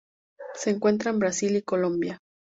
Se encuentra en Brasil y Colombia.